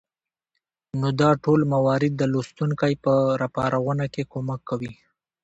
نو دا ټول موارد د لوستونکى په راپارونه کې کمک کوي